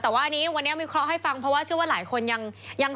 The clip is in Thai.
แต่วันนี้ข้อให้ฟังเพราะว่าเชื่อว่าหลายคนยังสับสน